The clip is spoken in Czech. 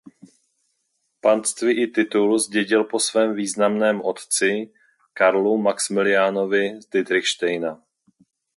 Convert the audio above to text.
Panství i titul zdědil po svém významném otci Karlu Maxmiliánovi z Ditrichštejna.